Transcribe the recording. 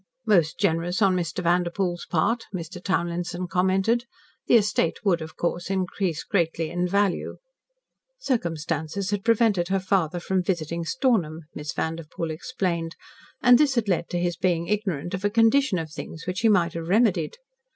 "Most generous on Mr. Vanderpoel's part," Mr. Townlinson commented. "The estate would, of course, increase greatly in value." Circumstances had prevented her father from visiting Stornham, Miss Vanderpoel explained, and this had led to his being ignorant of a condition of things which he might have remedied.